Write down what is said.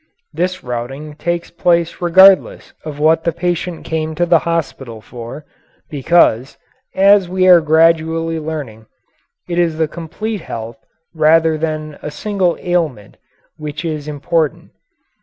This routing takes place regardless of what the patient came to the hospital for, because, as we are gradually learning, it is the complete health rather than a single ailment which is important.